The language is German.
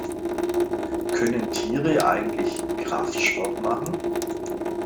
Können Tiere eigentlich Kraftsport machen?